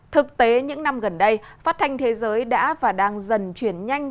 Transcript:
thực tế những năm gần đây phát thanh thế giới đã và đang dần chuyển nhanh